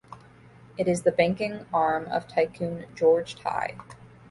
It is the banking arm of tycoon George Ty.